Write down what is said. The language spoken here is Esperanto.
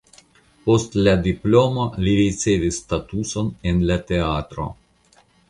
Post la diplomo li ricevis statuson en la teatro.